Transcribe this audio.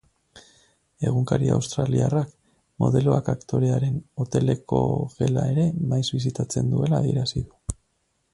Egunkari australiarrak modeloak aktorearen hoteleko gela ere maiz bisitatzen duela adierazi du.